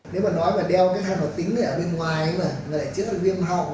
thì phải nói là nếu người ta sử dụng thì nó sẽ bão hỏa rất là nhanh